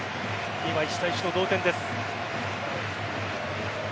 今、１対１の同点です。